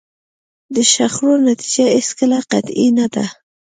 د شخړو نتیجه هېڅکله قطعي نه ده.